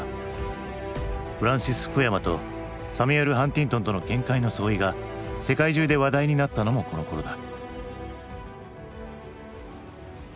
フランシス・フクヤマとサミュエル・ハンティントンとの見解の相違が世界中で話題になったのもこのころだ。